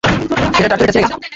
ছেলের চটিটা ছিড়ে গেছে।